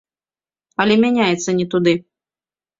Але мяняецца не туды.